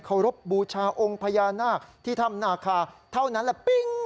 เคารพบูชาองค์พญานาคที่ธรรมนาคาเท่านั้นแหละ